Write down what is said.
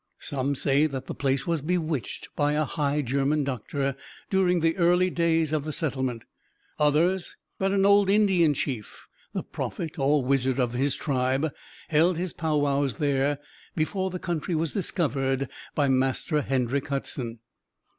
Some say that the place was bewitched by a high German doctor, during the early days of the settlement; others, that an old Indian chief, the prophet or wizard of his tribe, held his powwows there before the country was discovered by Master Hendrick Hudson.